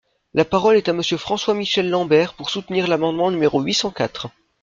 La parole est à Monsieur François-Michel Lambert, pour soutenir l’amendement numéro huit cent quatre.